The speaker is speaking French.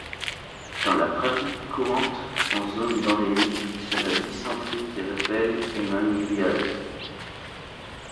Dans la pratique courante, en zone d'endémie, c'est la dysenterie qui révèle une amibiase.